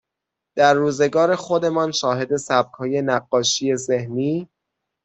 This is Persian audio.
در روزگار خودمان شاهد سبکهای نقاشی ذهنی